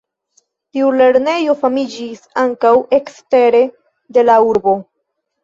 Tiu lernejo famiĝis ankaŭ ekstere de la urbo.